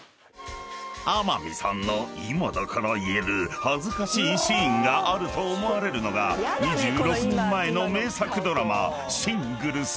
［天海さんの今だから言える恥ずかしいシーンがあると思われるのが２６年前の名作ドラマ『シングルス』］